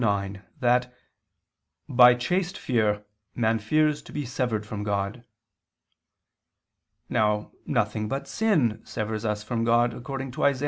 ix), that "by chaste fear man fears to be severed from God." Now nothing but sin severs us from God; according to Isa.